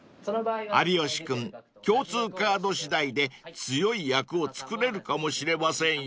［有吉君共通カード次第で強い役を作れるかもしれませんよ］